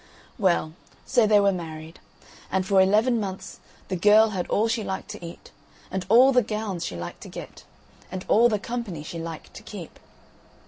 Well, so they were married. And for eleven months the girl had all she liked to eat, and all the gowns she liked to get, and all the company she liked to keep.